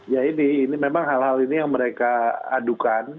ya ini memang hal hal ini yang mereka adukan